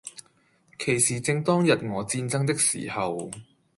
其時正當日俄戰爭的時候，